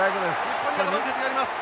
日本にアドバンテージがあります。